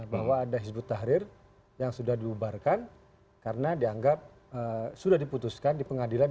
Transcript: bahwa ada hizb ut tahrir yang sudah diubarkan karena dianggap sudah diputuskan di pengadilan